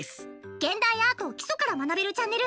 「現代アートを基礎から学べるチャンネル」